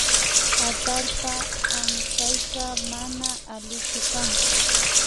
Atallpa ankayka mana allichu kan